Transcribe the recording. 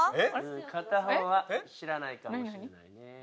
片方は知らないかもしれないね。